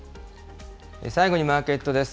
最後にマーケットです。